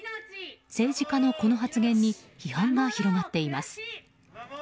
政治家のこの発言に批判が広がっています。